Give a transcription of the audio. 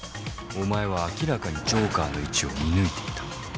お前は明らかにジョーカーの位置を見抜いていた。